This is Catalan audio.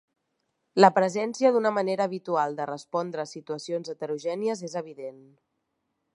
La presència d'una manera habitual de respondre a situacions heterogènies és evident.